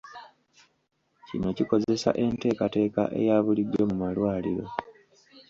Kino kikoseza enteekateeka eya bulijjo mu malwaliro.